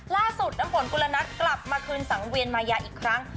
น้ำฝนกุลนัทกลับมาคืนสังเวียนมายาอีกครั้ง